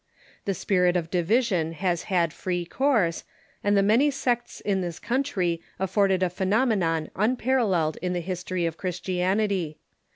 The spirit of division has had free course, and the many sects in this country afford a phenomenon unpar alleled in the history of Christianity.